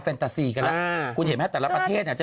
ฟันตาซีกันแหละ